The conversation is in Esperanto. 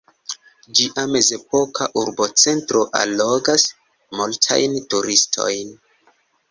Ĝia mezepoka urbocentro allogas multajn turistojn.